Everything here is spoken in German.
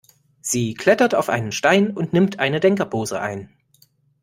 Sie klettert auf einen Stein und nimmt eine Denkerpose ein.